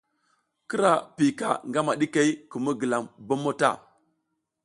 Kira piyika ngama ɗikey kum mi gilam bommo ta.